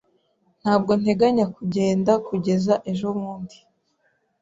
Ntabwo nteganya kugenda kugeza ejobundi.